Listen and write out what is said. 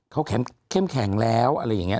เขาเข้มแข็งแล้วอะไรอย่างนี้